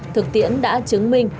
thực tiễn đã chứng minh